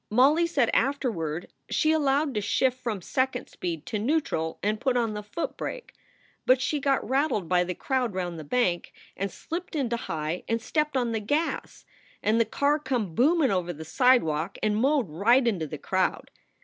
Molly said afterward she allowed to shift from second speed to neutarl and put on the foot brake. But she got rattled by the crowd round the bank, and slipped into high and stepped on the gas, and the car come boomin over the sidewalk and mowed right into the crowd.